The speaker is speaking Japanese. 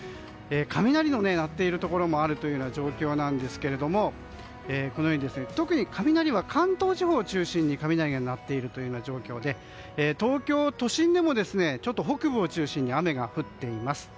雷の鳴っているところもあるという状況なんですが特に関東地方を中心に雷が鳴っていまして東京都心でも、北部を中心に雨が降っています。